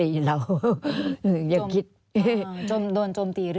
อันดับ๖๓๕จัดใช้วิจิตร